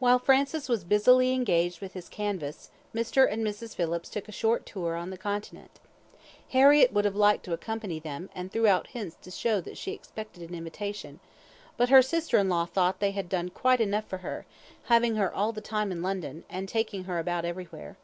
While Francis was busily engaged with his canvass, Mr. and Mrs. Phillips took a short tour on the Continent. Harriett would have liked to accompany them, and threw out hints to show that she expected an invitation; but her sister in law thought they had done quite enough for her, having her all that time in London, and taking her about everywhere.